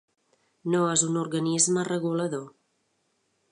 No és un organisme regulador.